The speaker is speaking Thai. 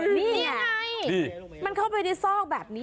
นี่ไงมันเข้าไปในซอกแบบนี้